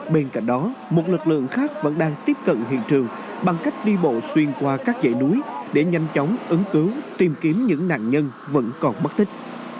bên cạnh đó một lực lượng khác vẫn đang tiếp cận hiện trường bằng cách đi bộ xuyên qua các dãy núi để nhanh chóng ứng cứu tìm kiếm những nạn nhân vẫn còn mất tích